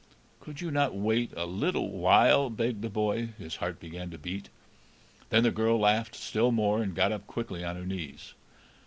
"Could you not wait a little while?" begged the boy; his heart began to beat. Then the girl laughed still more, and got up quickly on her knees.